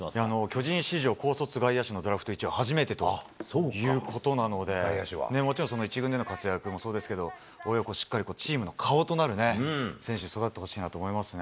巨人史上高卒外野手のドラフト１位は初めてということなので、もちろん１軍でも活躍はそうですけど、しっかりチームの顔となるね、選手に育ってほしいなと思い